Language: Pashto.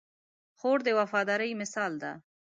خور د وفادارۍ مثال ده.